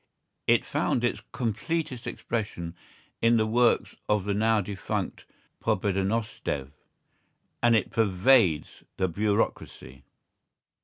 It found its completest expression in the works of the now defunct Pobedonostsev, and it pervades the bureaucracy.